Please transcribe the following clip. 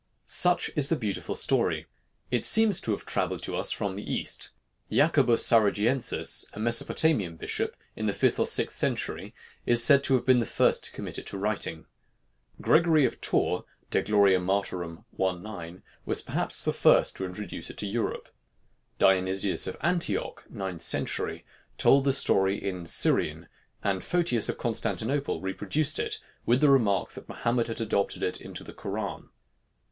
Such is the beautiful story. It seems to have travelled to us from the East. Jacobus Sarugiensis, a Mesopotamian bishop, in the fifth or sixth century, is said to have been the first to commit it to writing. Gregory of Tours (De Glor. Mart. i. 9) was perhaps the first to introduce it to Europe. Dionysius of Antioch (ninth century) told the story in Syrian, and Photius of Constantinople reproduced it, with the remark that Mahomet had adopted it into the Koran.